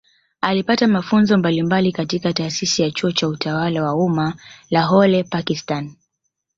Alipata mafunzo mbalimbali katika Taasisi ya Chuo cha Utawala wa Umma Lahore Pakistani